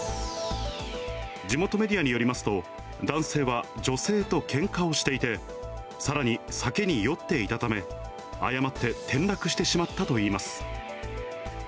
地元メディアによりますと、男性は女性とけんかをしていて、さらに酒に酔っていたため、誤って転落してしまったといいます。